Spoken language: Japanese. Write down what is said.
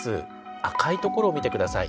赤いところを見て下さい。